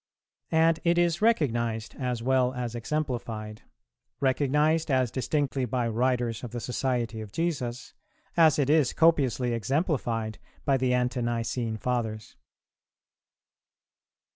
And it is recognized as well as exemplified; recognized as distinctly by writers of the Society of Jesus, as it is copiously exemplified by the Ante nicene Fathers.